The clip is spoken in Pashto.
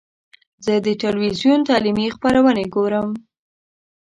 زه د ټلویزیون تعلیمي خپرونې ګورم.